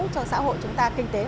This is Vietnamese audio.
cho xã hội chúng ta kinh tế